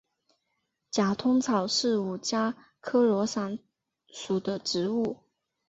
假通草是五加科罗伞属的植物。